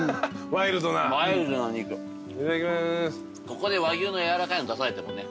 ここで和牛のやわらかいの出されてもね。